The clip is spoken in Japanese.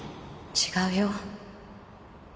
違うよ。